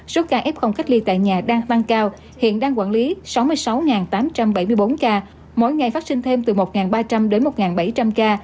số ca f cách ly tại nhà đang tăng cao hiện đang quản lý sáu mươi sáu tám trăm bảy mươi bốn ca mỗi ngày phát sinh thêm từ một ba trăm linh đến một bảy trăm linh ca